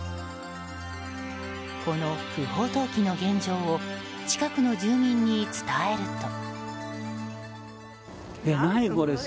この不法投棄の現状を近くの住民に伝えると。